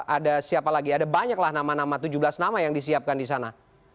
ada siapa lagi ada banyaklah nama nama tujuh belas nama yang disiapkan di sana